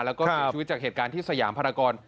แล้วก็เสียชีวิตจากเหตุการณ์ที่สยามภารกร